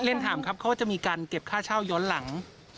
เล่นถามครับเขาก็จะมีการเก็บค่าเช่าย้อนหลัง